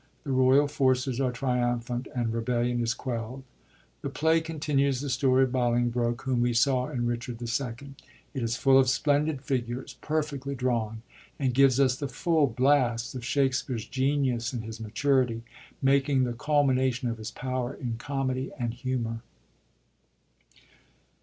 The royal forces are triumphant, and rebellion is quelld. The play con tinues the story of Bolingbroke, whom we saw in RicJiard II, It is full of splendid figures, perfectly drawn, and gives us the full blast of Shakspere's genius in his maturity, making the culmination of his power in comedy and humor.